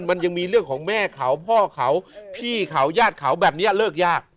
มันยังมีเรื่องของแม่เขาพ่อเขาพี่เขาญาติเขาแบบนี้เลิกยาก